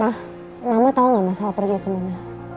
ma mama tau gak masalah pergi kemana